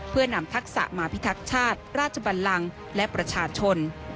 เพื่อนำทักษะมาพิทักษ์ชาติราชบันลังและประชาชน